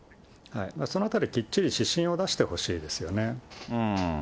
そのあたり、きっちり指針を出してほしいですよね。